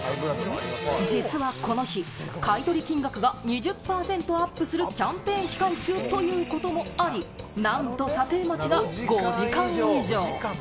実はこの日、買い取り金額が２０％アップするキャンペーン期間中ということもあり、なんと査定待ちが５時間以上。